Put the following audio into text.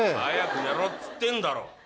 早く寝ろっつってんだろ。